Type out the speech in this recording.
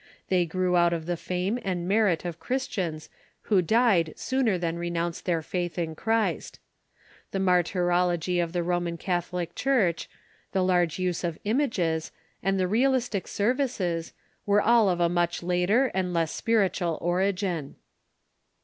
They grew out of the fame and merit of Christians, who died sooner than renounce their faith in Christ. The martyrology of the Ro man Catholic Church, the large use of images, and the realis tic services, were all of much later and less spiritual origin.